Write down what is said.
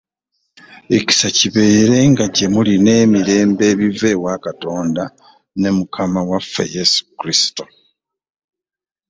Ekisa kibeerenga gye muli n'emirembe ebiva eri Katonda ne Mukama waffe Yesu Kristo.